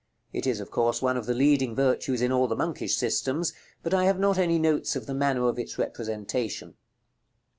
It is, of course, one of the leading virtues in all the monkish systems, but I have not any notes of the manner of its representation.